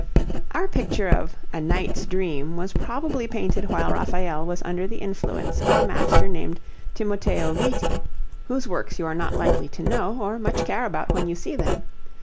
Our picture of a 'Knight's Dream' was probably painted while Raphael was under the influence of a master named Timoteo Viti, whose works you are not likely to know, or much care about when you see them.